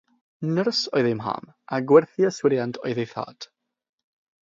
Nyrs oedd ei mam a gwerthu yswiriant oedd ei thad.